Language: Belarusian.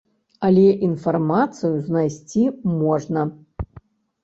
Але інфармацыю знайсці можна.